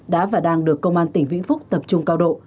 đã và đang được công an tỉnh vĩnh phúc tập trung cao độ